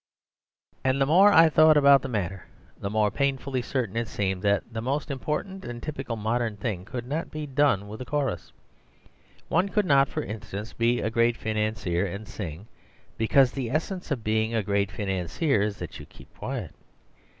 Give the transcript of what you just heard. And the more I thought about the matter the more painfully certain it seemed that the most important and typical modern things could not be done with a chorus. One could not, for instance, be a great financier and sing; because the essence of being a great financier is that you keep quiet.